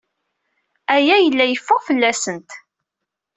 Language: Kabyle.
Aya yella yeffeɣ fell-asent.